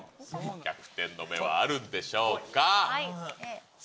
逆転の芽はあるんでしょうか。